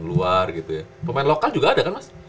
luar gitu ya pemain lokal juga ada kan mas